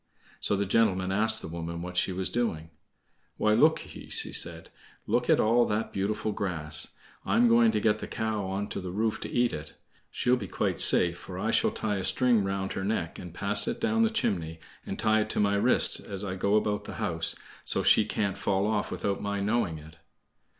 So the gentleman asked the woman what she was doing. "Why, look ye," she said, "look at all that beautiful grass. I'm going to get the cow on to the roof to eat it. She'll be quite safe, for I shall tie a string round her neck, and pass it down the chimney, and tie it to my wrist as I go about the house, so she can't fall off without my knowing it."